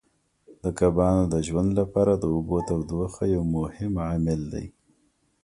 د کبانو د ژوند لپاره د اوبو تودوخه یو مهم عامل دی.